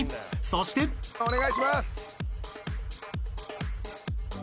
［そして］お願いします。